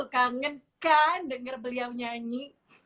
kangen kan dengar beliau nyanyi